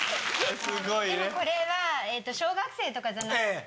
でもこれは小学生とかじゃなくて。